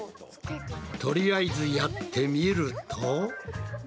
とりあえずやってみると。